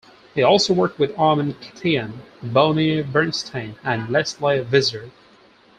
He also worked with Armen Keteyian, Bonnie Bernstein and Lesley Visser.